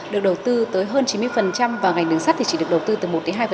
được đầu tư tới hơn chín mươi và ngành đường sắt thì chỉ được đầu tư từ một hai